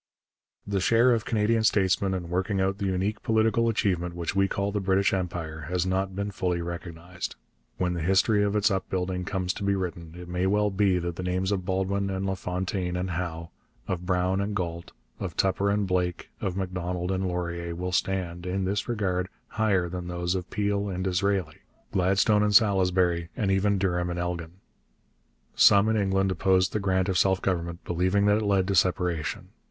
The share of Canadian statesmen in working out the unique political achievement which we call the British Empire has not yet been fully recognized. When the history of its upbuilding comes to be written, it may well be that the names of Baldwin and LaFontaine and Howe, of Brown and Galt, of Tupper and Blake, of Macdonald and Laurier, will stand, in this regard, higher than those of Peel and Disraeli, Gladstone and Salisbury, and even Durham and Elgin. Some in England opposed the grant of self government, believing that it led to separation.